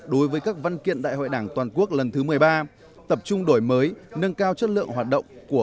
đối với các văn kiện đại hội đảng toàn quốc lần thứ một mươi ba tập trung đổi mới nâng cao chất lượng hoạt động của công tác dân vận các cấp